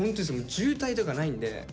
渋滞とかないんで。